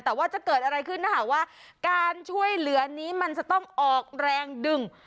แต่ว่าจะเกิดอะไรขึ้นถ้าหากว่าการช่วยเหลือนี้มันจะต้องออกแรงดึง